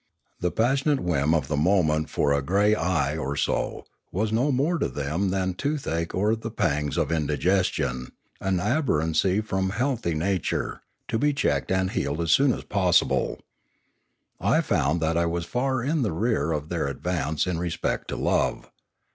The passionate whim of the moment for "a grey eye or so" was no more to them than toothache or the pangs of indigestion, an aberrancy from healthy nature, to be checked and healed as soon as possible. I found that I was far in the rear of their advance in respect to love.